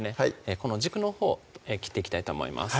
この軸のほう切っていきたいと思います